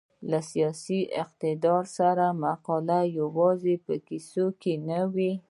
له سیاسي اقتدار سره مقابله یوازې په کیسو کې نه وه.